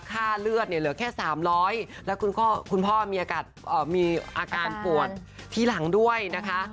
ค่าเลือดเนี่ยเหลือแค่๓๐๐แล้วคุณพ่อมีอาการปวดที่หลังด้วยนะคะ